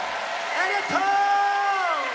ありがとう！